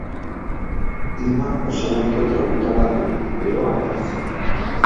Klima ozeaniko tropikala du, beroa eta hezea.